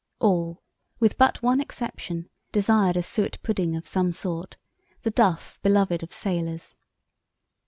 All, with but one exception, desired a suet pudding of some sort—the "duff" beloved of sailors.